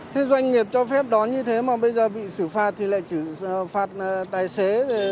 thế doanh nghiệp cho phép đón như thế mà bây giờ bị xử phạt thì lại chỉ phạt tài xế